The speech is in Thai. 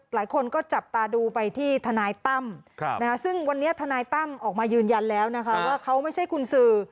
หลายคนก็จับตาดูไปที่ทนายตั้มซึ่งวันนี้ทนายตั้มออกมายืนยันแล้วนะคะว่าเขาไม่ใช่คุณสื่อ